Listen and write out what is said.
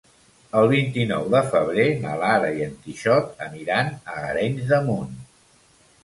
El vint-i-nou de febrer na Lara i en Quixot aniran a Arenys de Munt.